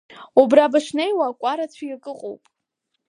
Убра бышнеиуа акәара цәгьак ыҟоуп.